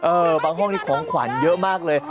บางห้องนี้ของขวัญเยอะมากเลย